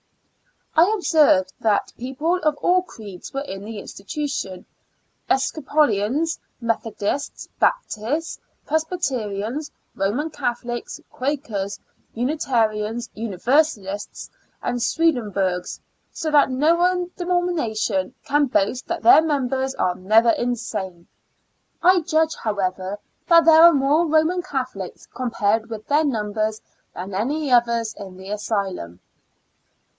I observed that people of all creeds were in the institution — Episcopalians, Metho dists, Baptists, Presbyterians, Eoman Catho lics, Quakers, Unitarians, Universalists and Swendenburghers, so that no one denomi nation can boast that their members are never insane. I judge, however, that there are more Roman Catholics, compared with their numbers, than any others in the asylum.